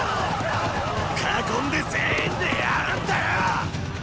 囲んで全員で殺るんだよっ！